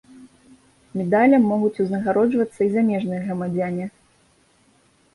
Медалем могуць узнагароджвацца і замежныя грамадзяне.